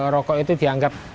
rokok itu dianggap